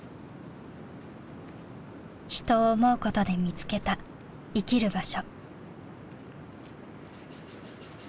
人を思うことで見つけた生きる場所。